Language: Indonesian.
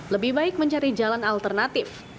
lebih baik mencari jalan alternatif